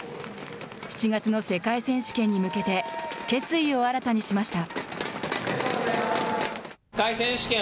７月の世界選手権に向けて決意を新たにしました。